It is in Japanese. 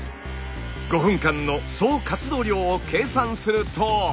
５分間の総活動量を計算すると。